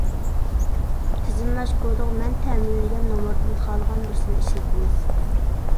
تىزىملاش كودىغا مەن تەمىنلىگەن نومۇردىن خالىغان بىرسىنى ئىشلىتىمىز.